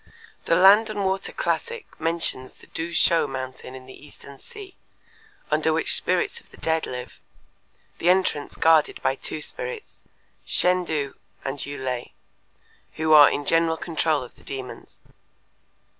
The Land and Water Classic mentions the Tu Shuo mountain in the Eastern Sea, under which spirits of the dead live, the entrance guarded by two spirits, Shên Tu and Yü Lei, who are in general control of the demons.